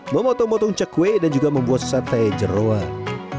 memotong motong cekwe dan juga membuat sate jerawat